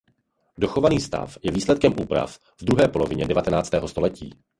Dochovaný stav je výsledkem úprav v druhé polovině devatenáctého století.